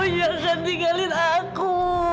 jangan tinggalin aku